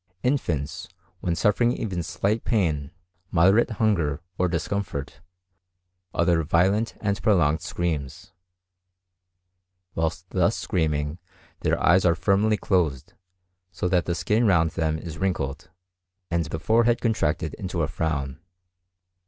Infants, when suffering even slight pain, moderate hunger, or discomfort, utter violent and prolonged screams. Whilst thus screaming their eyes are firmly closed, so that the skin round them is wrinkled, and the forehead contracted into a frown.